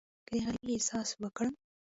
که د غریبۍ احساس وکړم.